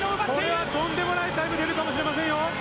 これはとんでもないタイム出るかもしれませんよ！